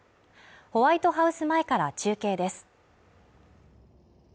ホワイトハウス前から中継です。